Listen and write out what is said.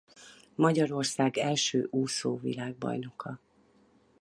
Magyarország első úszó-világbajnoka.